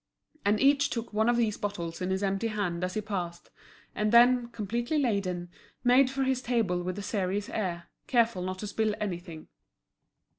And each took one of these bottles in his empty hand as he passed, and then, completely laden, made for his table with a serious air, careful not to spill anything.